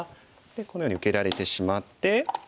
このように受けられてしまって。